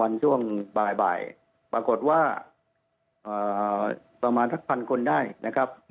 ไม่ปลอดภัยปรากฎว่าประมาณทักพันคนได้นะครับ